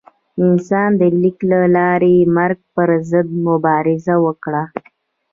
انسان د لیک له لارې د مرګ پر ضد مبارزه وکړه.